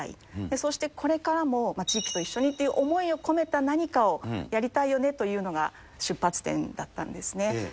そしてこれからも地域と一緒にという思いを込めた何かをやりたいよねというのが出発点だったんですね。